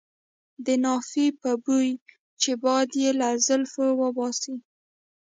د نافې په بوی چې باد یې له زلفو وباسي.